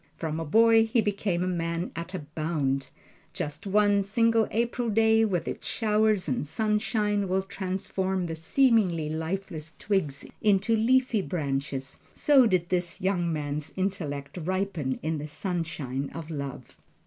From a boy he became a man at a bound. Just as one single April day, with its showers and sunshine, will transform the seemingly lifeless twigs into leafy branches, so did this young man's intellect ripen in the sunshine of love.